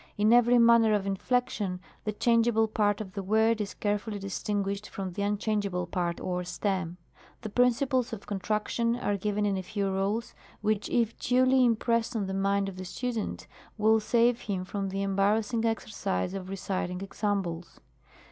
In every manner of inflection the changeable part of the word is carefully distinguished from the unchangeable part or stem. The principles of contraction are given in a few rules, which if duly impressed on the mind of the student, will save him from the embarrassing exercise of reciting examples.